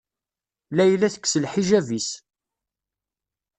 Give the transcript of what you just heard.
Layla tekkes lḥiǧab-is.